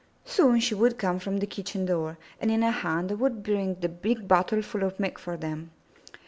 Soon she would come from the kitchen door and in her hand would bring the big bottle full of milk for them.